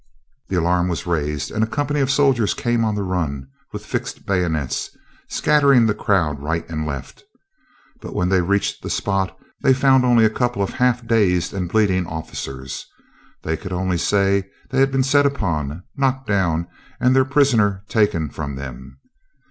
The alarm was raised, and a company of soldiers came on the run, with fixed bayonets, scattering the crowd right and left. But when they reached the spot they found only a couple of half dazed and bleeding officers. They could only say they had been set upon, knocked down, and their prisoner taken from them.